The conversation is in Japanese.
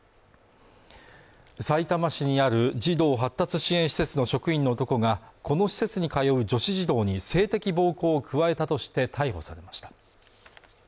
さいたま市にある児童発達支援施設の職員の男がこの施設に通う女子児童に性的暴行を加えたとして逮捕されました